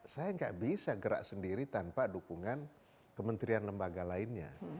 saya nggak bisa gerak sendiri tanpa dukungan kementerian lembaga lainnya